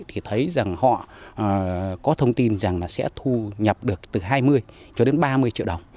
thì thấy rằng họ có thông tin rằng là sẽ thu nhập được từ hai mươi cho đến ba mươi triệu đồng